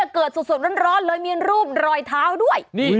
เกิดสดร้อนเลยมีรูปรอยเท้าด้วย